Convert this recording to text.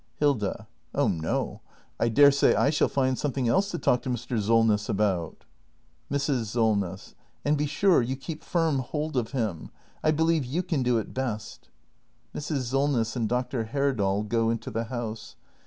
Hilda. Oh no! I daresay I shall find something else to talk to Mr. Solness about. Mrs. Solness. And be sure you keep firm hold of him. I believe you can do it best. [Mrs. Solness and Dr. Herdal go into the house.